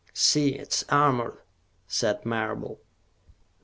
"See, it is armored," said Marable.